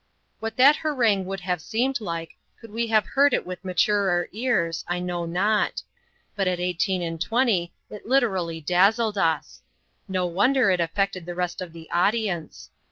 What that harangue would have seemed like, could we have heard it with maturer ears, I know not; but at eighteen and twenty it literally dazzled us. No wonder it affected the rest of the audience.